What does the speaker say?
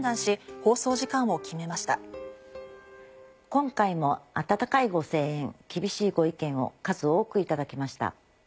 今回も温かいご声援厳しいご意見を数多く頂きました。